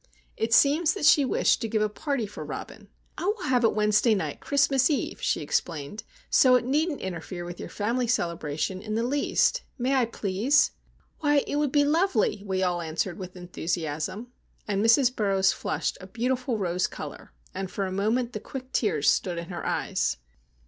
It seems that she wished to give a party for Robin. "I will have it Wednesday night, Christmas eve," she explained. "So it needn't interfere with your family celebration in the least. May I, please?" "Why, it would be lovely," we all answered with enthusiasm. And Mrs. Burroughs flushed a beautiful rose colour, and for a moment the quick tears stood in her eyes.